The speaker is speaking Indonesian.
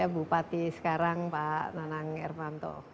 bupati sekarang pak nenang irmanto